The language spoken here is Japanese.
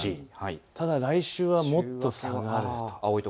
ただ来週はもっと下がる。